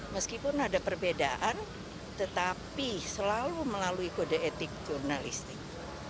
meskipun ada perbedaan tetapi selalu melalui kode etik jurnalistik